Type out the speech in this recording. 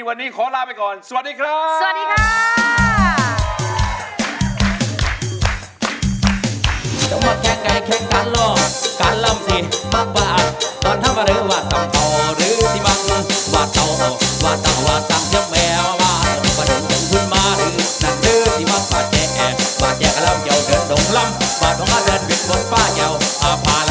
อันนี้ผมก็ซ้ายไม้ไทยรัททีวีครับผม